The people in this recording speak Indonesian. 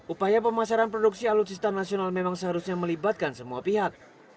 upaya pemasaran produksi alutsista nasional memang seharusnya melibatkan semua pihak